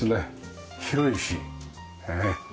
広いしねえ。